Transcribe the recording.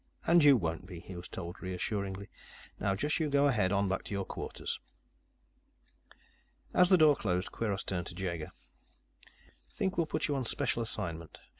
"And you won't be," he was told reassuringly. "Now you just go ahead on back to your quarters." As the door closed, Kweiros turned to Jaeger. "Think we'll put you on special assignment.